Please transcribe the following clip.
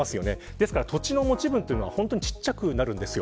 ですから土地の持ち分は小さくなるんですよ。